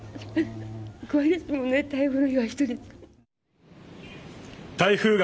怖いですもんね、台風の日に１人は。